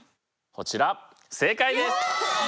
こちら正解です！